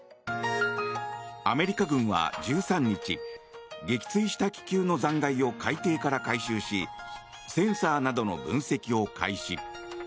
アメリカ軍は１３日撃墜した気球の残骸を海底から回収しセンサーなどの分析を開始。